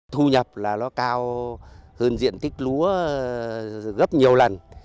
thu nhập là nó cao hơn diện tích lúa gấp nhiều lần